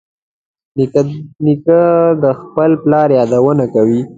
نیکه د خپل پلار یادونه کوي.